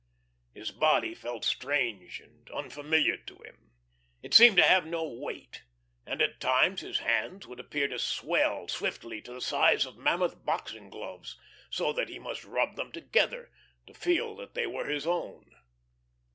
His body felt strange and unfamiliar to him. It seemed to have no weight, and at times his hands would appear to swell swiftly to the size of mammoth boxing gloves, so that he must rub them together to feel that they were his own.